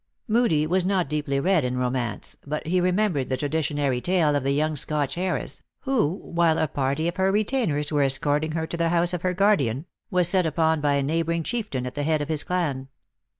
Moodie was not deeply read in romance*; but he remembered the traditionary tale of the young Scotch heiress, who, while a party of her retainers were es corting her to the house of her guardian, was set upon by a neighboring chieftain at the head of his clan.